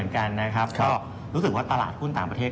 ก็รู้สึกว่าตลาดหุ้นต่างประเทศ